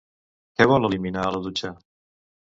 Què vol eliminar a la dutxa?